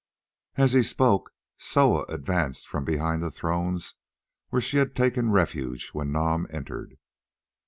As he spoke Soa advanced from behind the thrones where she had taken refuge when Nam entered.